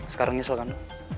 sekarang nyesel kan